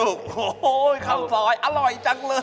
โอ้โหข้าวซอยอร่อยจังเลย